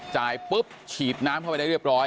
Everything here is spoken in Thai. ปุ๊บฉีดน้ำเข้าไปได้เรียบร้อย